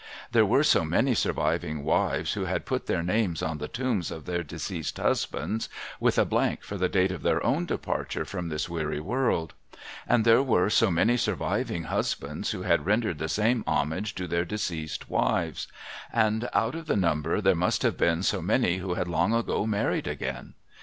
There were so many surviving wives who had put their names on the tombs of their deceased husbands, with a blank for the date of their own departure from this weary world ; and there were so many surviving husbands who had rendered the same homage to their deceased wives ; and out of the number there must have been so many who had long vago married again